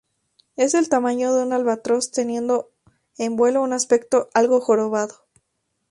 Es del tamaño de un albatros, teniendo en vuelo un aspecto algo jorobado.